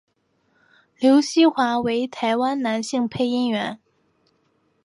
刘锡华为台湾男性配音员。